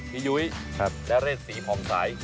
พี่ยุ้ยณเรชสีผ่องใส